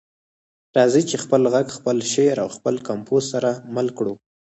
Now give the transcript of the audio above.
راځئ چې خپل غږ، خپل شعر او خپل کمپوز سره مل کړو.